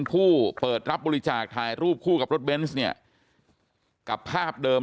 ผู้เปิดรับบริจาคถ่ายรูปคู่กับรถเบนส์เนี่ยกับภาพเดิม